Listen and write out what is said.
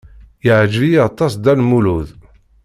Yeɛjeb-iyi aṭas Dda Lmulud.